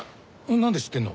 なんで知ってんの？